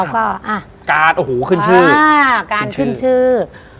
การขึ้นชื่อ